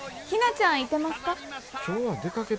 ひなちゃんいてますか？